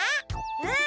うん。